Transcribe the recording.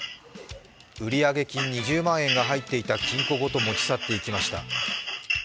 売上金２０万円が入っていた金庫ごと持ち去っていきました。